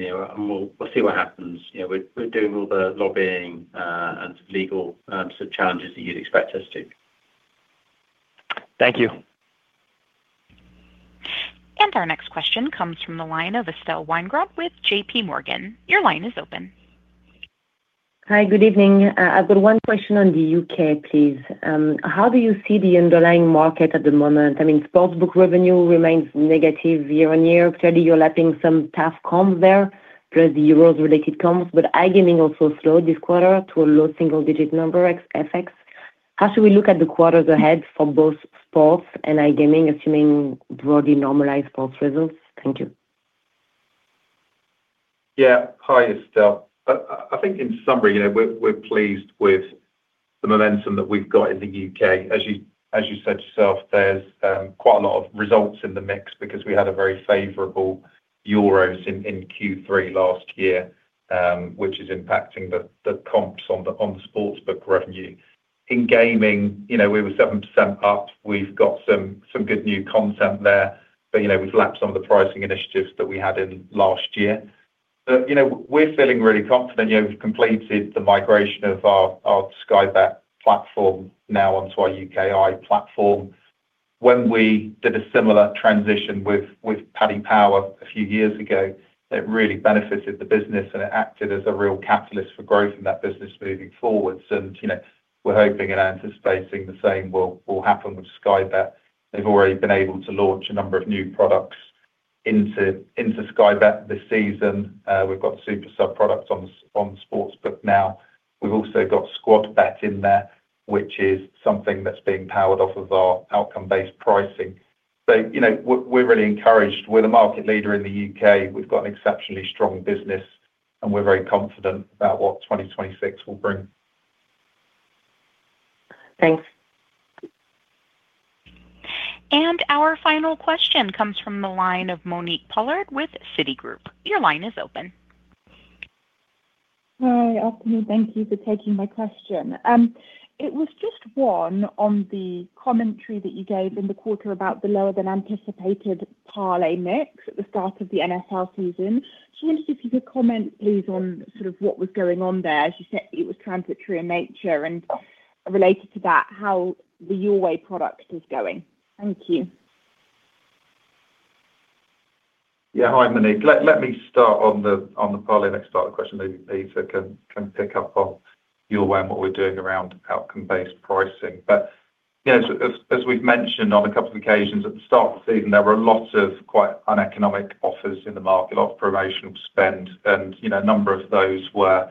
we'll see what happens. We're doing all the lobbying and legal challenges that you'd expect us to.
Thank you.
Our next question comes from the line of Estelle Weingrod with JPMorgan. Your line is open.
Hi. Good evening. I've got one question on the U.K., please. How do you see the underlying market at the moment? I mean, sportsbook revenue remains negative year on year. Clearly, you're lapping some tough comps there, plus the Euros-related comps, but iGaming also slowed this quarter to a low single-digit number, FX. How should we look at the quarters ahead for both sports and iGaming, assuming broadly normalized sports results? Thank you.
Yeah. Hi, Estelle. I think in summary, we're pleased with the momentum that we've got in the U.K. As you said yourself, there's quite a lot of results in the mix because we had a very favorable Euros in Q3 last year, which is impacting the comps on the sportsbook revenue. In gaming, we were 7% up. We've got some good new content there, but we've lapsed some of the pricing initiatives that we had in last year. We're feeling really confident. We've completed the migration of our Sky Bet platform now onto our U.K.I. platform. When we did a similar transition with Paddy Power a few years ago, it really benefited the business, and it acted as a real catalyst for growth in that business moving forward. We're hoping and anticipating the same will happen with Sky Bet. They've already been able to launch a number of new products into Sky Bet this season. We've got SuperSub products on sportsbook now. We've also got SquadBet in there, which is something that's being powered off of our outcome-based pricing. We're really encouraged. We're the market leader in the U.K. We've got an exceptionally strong business, and we're very confident about what 2026 will bring.
Thanks.
Our final question comes from the line of Monique Pollard with Citigroup. Your line is open.
Hi. Afternoon. Thank you for taking my question. It was just one on the commentary that you gave in the quarter about the lower-than-anticipated parlay mix at the start of the NFL season. Just wanted to see if you could comment, please, on sort of what was going on there. As you said, it was transitory in nature. Related to that, how the Your Way product is going. Thank you.
Yeah. Hi, Monique. Let me start on the Parlay mix part of the question that you said can pick up on Your Way and what we are doing around outcome-based pricing. As we have mentioned on a couple of occasions at the start of the season, there were a lot of quite uneconomic offers in the market, a lot of promotional spend, and a number of those were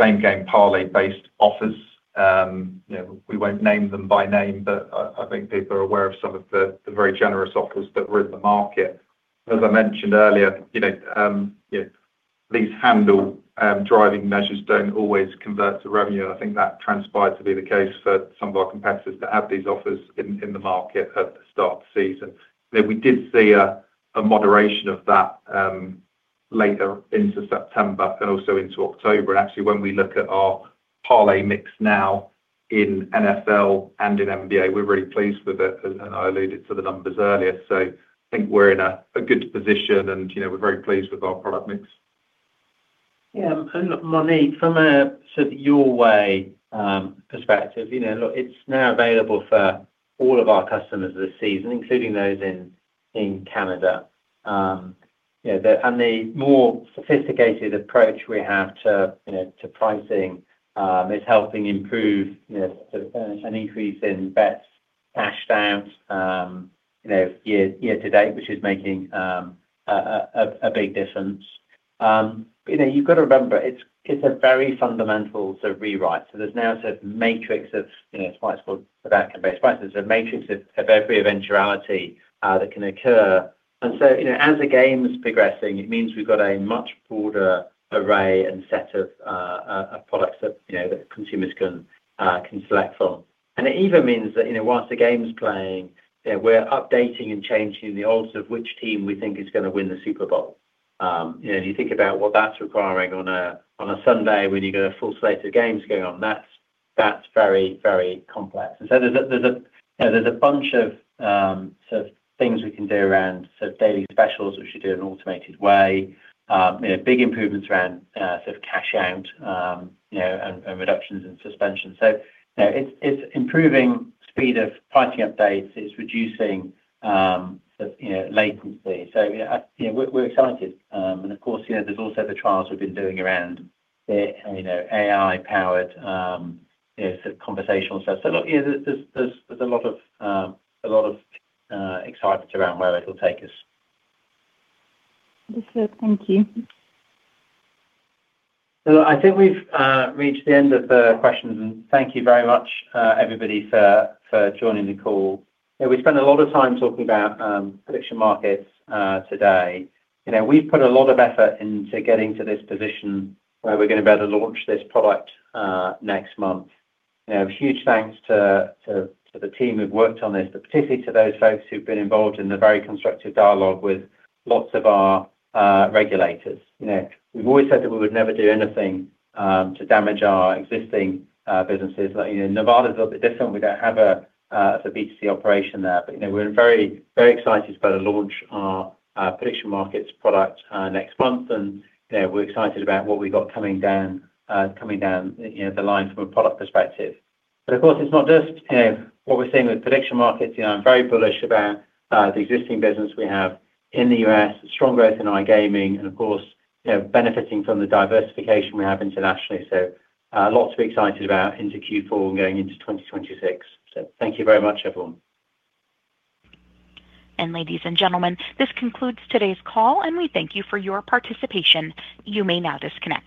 same-game Parlay-based offers. We will not name them by name, but I think people are aware of some of the very generous offers that were in the market. As I mentioned earlier, these handle-driving measures do not always convert to revenue. I think that transpired to be the case for some of our competitors that had these offers in the market at the start of the season. We did see a moderation of that later into September and also into October. Actually, when we look at our Parlay mix now in NFL and in NBA, we are really pleased with it, and I alluded to the numbers earlier. I think we are in a good position, and we are very pleased with our product mix.
Yeah. Monique, from a sort of Your Way perspective, look, it is now available for all of our customers this season, including those in Canada. The more sophisticated approach we have to pricing is helping improve an increase in bets hashed out year to date, which is making a big difference. You have to remember, it is a very fundamental sort of rewrite. There's now a sort of matrix of what's called outcome-based prices. There's a matrix of every eventuality that can occur. As the game's progressing, it means we've got a much broader array and set of products that consumers can select from. It even means that whilst the game's playing, we're updating and changing the odds of which team we think is going to win the Super Bowl. You think about what that's requiring on a Sunday when you've got a full slate of games going on. That's very, very complex. There's a bunch of sort of things we can do around sort of daily specials, which we do in an automated way, big improvements around sort of cash out and reductions and suspensions. It's improving speed of pricing updates. It's reducing latency. We're excited. Of course, there's also the trials we've been doing around AI-powered sort of conversational stuff. Look, there's a lot of excitement around where it'll take us.
Understood. Thank you.
I think we've reached the end of the questions. Thank you very much, everybody, for joining the call. We spent a lot of time talking about prediction markets today. We've put a lot of effort into getting to this position where we're going to be able to launch this product next month. Huge thanks to the team who've worked on this, but particularly to those folks who've been involved in the very constructive dialogue with lots of our regulators. We've always said that we would never do anything to damage our existing businesses. Nevada's a little bit different. We do not have a B2C operation there, but we are very excited to be able to launch our prediction markets product next month. We are excited about what we have got coming down the line from a product perspective. Of course, it is not just what we are seeing with prediction markets. I am very bullish about the existing business we have in the US, strong growth in iGaming, and of course, benefiting from the diversification we have internationally. There is a lot to be excited about into Q4 and going into 2026. Thank you very much, everyone.
Ladies and gentlemen, this concludes today's call, and we thank you for your participation. You may now disconnect.